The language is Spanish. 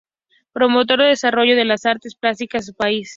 Promotor del desarrollo de las artes plásticas en su país.